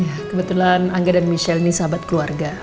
iya kebetulan angga dan michelle ini sahabat keluarga